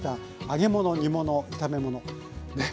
揚げ物煮物炒め物ねっ